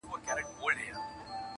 • زما د وطن د شهامت او طوفانونو کیسې,